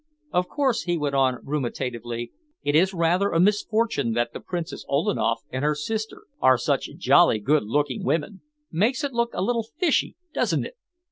Of course," he went on ruminatively, "it is rather a misfortune that the Princess Ollaneff and her sister are such jolly good looking women. Makes it look a little fishy, doesn't it?